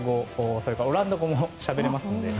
それからオランダ語もしゃべれますので。